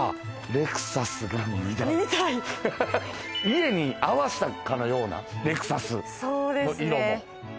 家に合わせたかのようなレクサスの色も。